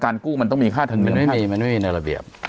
กู้มันต้องมีค่าธรรมเนียมไม่มีมันไม่มีในระเบียบ